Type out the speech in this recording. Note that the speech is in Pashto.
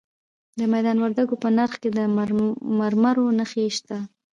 د میدان وردګو په نرخ کې د مرمرو نښې شته.